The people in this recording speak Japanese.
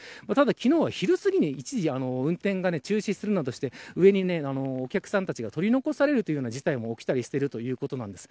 昨日は昼すぎに一時運転が中止するなどしてお客さんたちが取り残される事態も起きているということです。